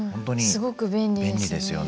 すごく便利ですよね。